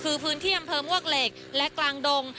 คือพื้นที่อำเภอมวกเหล็กและกลางดง